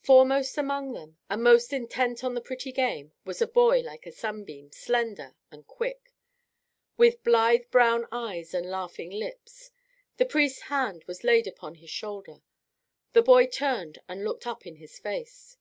Foremost among them, and most intent on the pretty game, was a boy like a sunbeam, slender and quick, with blithe brown eyes and laughing lips. The priest's hand was laid upon his shoulder. The boy turned and looked up in his face.